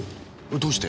どうして？